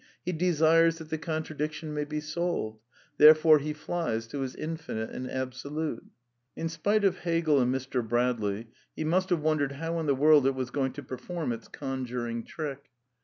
He desires that the contradiction may be solved. Therefore he flies to his Infinite and Absolute. In spite of Hegel and Mr. Bradley, he must have won dered how in the world it was going to perform its con juring trick.